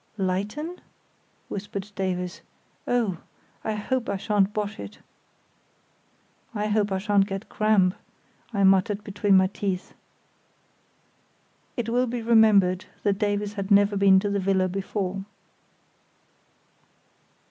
"Lighten?" whispered Davies; "oh, I hope I shan't bosh it." "I hope I shan't get cramp," I muttered between my teeth. It will be remembered that Davies had never been to the villa before.